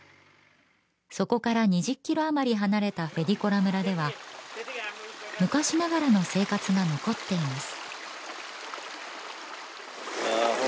そこから２０キロあまり離れたフェディコラ村では昔ながらの生活が残っています